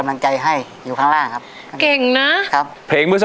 ถ้าภาษาถิ่นของคนมอนพูดว่า